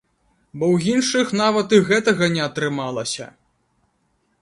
Бо ў іншых нават і гэтага не атрымалася.